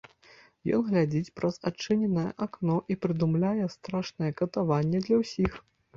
Ён глядзіць праз адчыненае акно і прыдумляе страшнае катаванне для ўсіх.